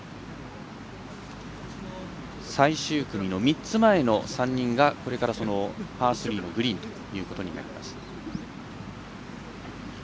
最終組の３つ前の３人がこれからパー３のグリーンということになります。